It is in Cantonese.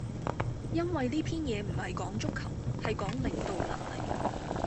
因為呢篇嘢唔係講足球，係講領導能力